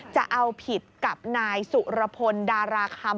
จะเอาผิดกับนายสุรพลดาราคำ